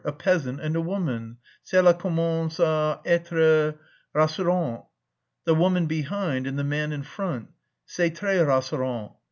A peasant and a woman, cela commence à être rassurant. The woman behind and the man in front _c'est très rassurant.